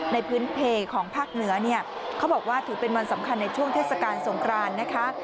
ในพื้นเพของภาคเหนือเนี่ยเขาบอกว่าถือเป็นวันสำคัญในช่วงเทศกาลสงครานนะคะ